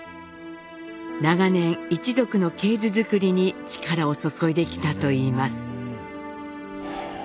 長年一族の系図作りに力を注いできたといいます。